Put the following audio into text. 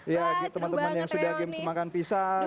ya teman teman yang sudah games makan pisang